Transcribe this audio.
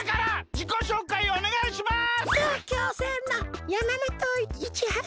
じこしょうかいおねがいします！